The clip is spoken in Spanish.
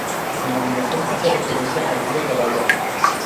Su denominación hace referencia al río Cadagua.